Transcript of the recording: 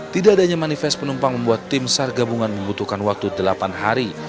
tidak adanya manifest penumpang membuat tim sar gabungan membutuhkan waktu delapan hari